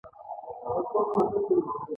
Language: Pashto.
لومړی باید مصرفي ارزښت ولري.